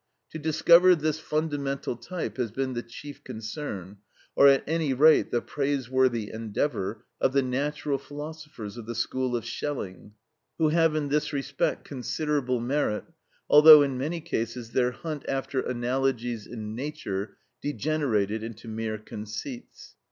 To discover this fundamental type has been the chief concern, or at any rate the praiseworthy endeavour, of the natural philosophers of the school of Schelling, who have in this respect considerable merit, although in many cases their hunt after analogies in nature degenerated into mere conceits.